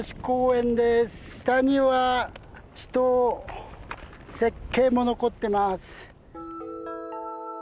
下には池塘雪渓も残ってます。